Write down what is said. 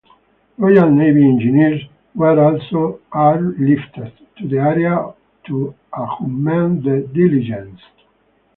Royal Navy engineers were also airlifted to the area to augment the "Diligence".